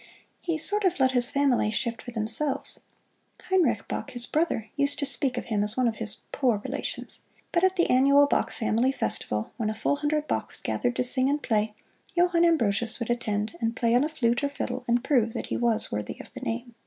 He sort of let his family shift for themselves. Heinrich Bach, his brother, used to speak of him as one of his "poor relations," but at the annual Bach family festival, when a full hundred Bachs gathered to sing and play, Johann Ambrosius would attend and play on a flute or fiddle and prove that he was worthy of the name.